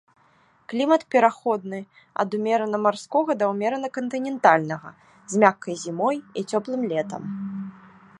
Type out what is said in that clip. Клімат пераходны ад умерана марскога да ўмерана кантынентальнага, з мяккай зімой і цёплым летам.